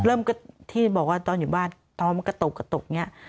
เริ่มก็ที่บอกว่าตอนอยู่บ้านตอนมันก็ตกกระตุกอย่างนี้